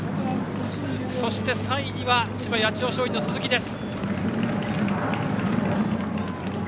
そして、３位には千葉の八千代松陰の鈴木です。